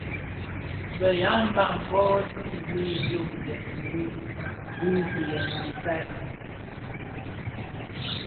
Bë ya mbam bō dhi di diomzèn dirim bi gilèn i bisai.